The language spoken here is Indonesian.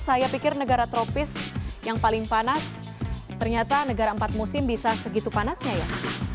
saya pikir negara tropis yang paling panas ternyata negara empat musim bisa segitu panasnya ya